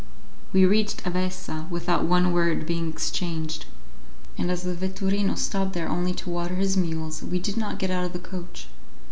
We reached Avessa without one word being exchanged, and as the vetturino stopped there only to water his mules, we did not get out of the coach.